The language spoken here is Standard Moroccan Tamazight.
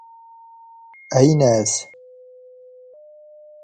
ⴰⵢⵏⴰⵙ